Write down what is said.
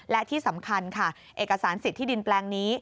และที่สำคัญค่ะเอกสารสิทธิดินแปลงนี้